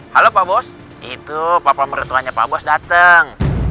halo pak bos itu papa meretuanya pak bos dateng